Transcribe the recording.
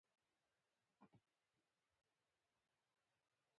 نو بيا قلم ښه شى شو که بد.